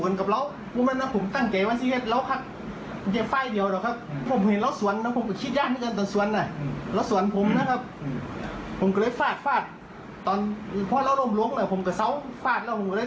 แล้วถือไหม้ไปยืนหน้าบ้านพบกันถือไหม้แล้วคือกระล้วงออกโดยนี่แหละเนอะ